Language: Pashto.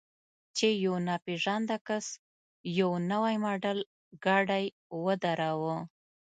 چې یو ناپېژانده کس یو نوی ماډل ګاډی ودراوه.